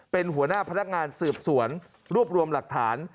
เป็นหัวหน้าพนักงานสืบสวนรวบรวมหลักฐาน